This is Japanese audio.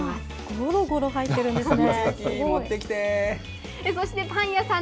ごろごろ入ってるんですね。